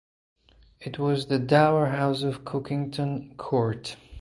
It was the Dower House of Cockington Court.